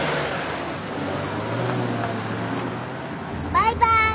バイバイ。